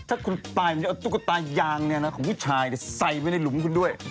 ถ้าคุณตายมันจะเอาตุ๊กตายางของผู้ชายใส่ไปในหลุมคุณด้วย